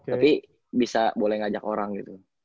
tapi bisa boleh ngajak orang gitu